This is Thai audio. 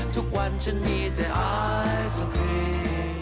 ทุกวันฉันมีแต่ไอสครีม